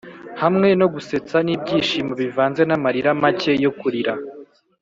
hamwe no gusetsa n'ibyishimo, bivanze n'amarira make yo kurira.